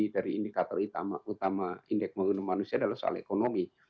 dari indikator utama indeks pembangunan manusia adalah soal ekonomi